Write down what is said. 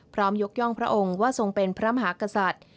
ยกย่องพระองค์ว่าทรงเป็นพระมหากษัตริย์